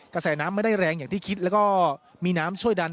กระแสน้ำไม่ได้แรงอย่างที่คิดแล้วก็มีน้ำช่วยดัน